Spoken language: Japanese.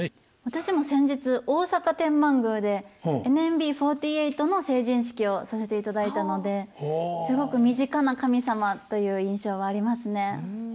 私も先日大阪天満宮でＮＭＢ４８の成人式をさせていただいたのですごく身近な神様という印象はありますね。